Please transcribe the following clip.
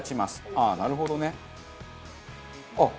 ああなるほどね。